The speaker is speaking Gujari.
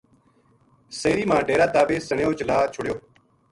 سیری ما ڈیراں تا بے سِنہیو چلا چھُڑیو